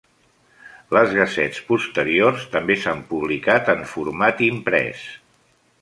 Les "gazettes" posteriors també s'han publicat en format imprès.